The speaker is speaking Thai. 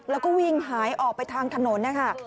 แล้วก็วิ่งหายออกไปทางถนนนะคะ